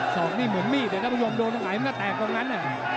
สอกนี้เหมือนมีดถ้าพวกมีอมโดนตรงไหนมันก็จะแตกตรงนั้น